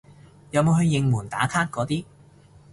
有冇去應援打卡嗰啲